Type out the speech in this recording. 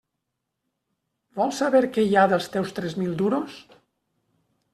Vols saber què hi ha dels teus tres mil duros?